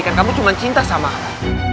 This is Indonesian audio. kan kamu cuma cinta sama aku